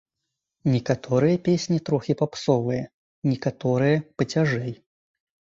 Некаторыя песні трохі папсовыя, некаторыя пацяжэй.